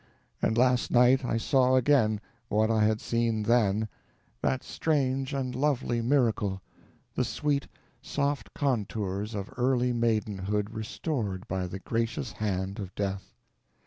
And last night I saw again what I had seen then—that strange and lovely miracle—the sweet, soft contours of early maidenhood restored by the gracious hand of death!